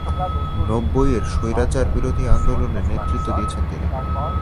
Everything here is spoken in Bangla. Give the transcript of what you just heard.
নব্বইয়ের স্বৈরাচার বিরোধী আন্দোলনে নেতৃত্ব দিয়েছেন তিনি।